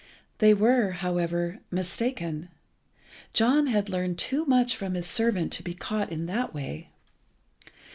They were, however, mistaken. John had learned too much from his servant to be caught in that way.